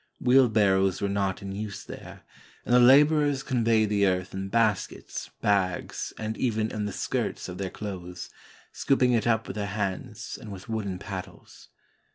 Wheelbarrows were not in use there, and the laborers conveyed the earth in baskets, bags, and even in the skirts of their clothes, scooping it up with their hands and with wooden pad dles.